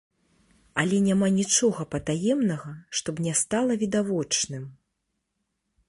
Але няма нічога патаемнага, што б не стала відавочным.